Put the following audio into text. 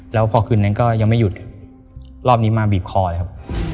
แล้วพอคืนนั้นก็ยังไม่หยุดรอบนี้มาบีบคอเลยครับ